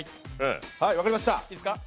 分かりました。